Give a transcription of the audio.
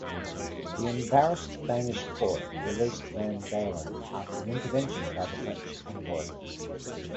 The embarrassed Danish court released Van Galen after an intervention by the French envoy.